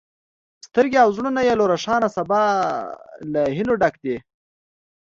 سترګې او زړونه یې له روښانه سبا له هیلو ډک دي.